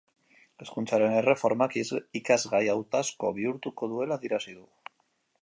Hezkuntzaren erreformak ikasgaia hautazko bihurtuko duela adierazi du.